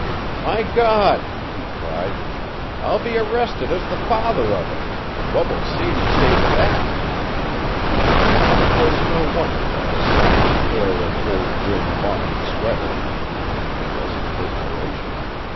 "My God!" he cried, "I'll be arrested as the father of it, and what will Sadie say to that?" It was no wonder that the son and heir of Old Grim Barnes sweated. It wasn't perspiration.